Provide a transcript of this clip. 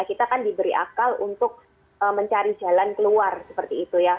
kita kan diberi akal untuk mencari jalan keluar seperti itu ya